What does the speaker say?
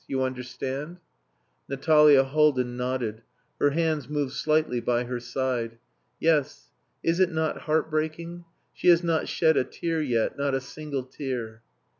You understand?" Natalia Haldin nodded; her hands moved slightly by her side. "Yes. Is it not heart breaking? She has not shed a tear yet not a single tear."